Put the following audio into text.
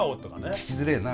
聴きづれえなあ。